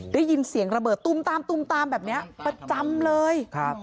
ได้ยินเสียงระเบิดตุ้มตามตุ้มตามแบบนี้ประจำเลย